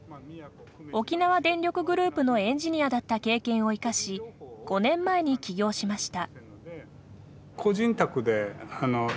沖縄電力グループのエンジニアだった経験を生かし５年前に起業しました。